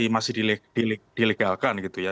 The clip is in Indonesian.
masih dilegalkan gitu ya